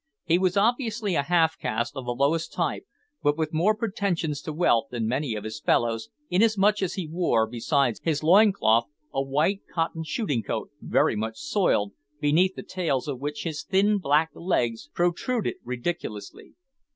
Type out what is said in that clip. He was obviously a half caste of the lowest type, but with more pretensions to wealth than many of his fellows, inasmuch as he wore, besides his loin cloth, a white cotton shooting coat, very much soiled, beneath the tails of which his thin black legs protruded ridiculously.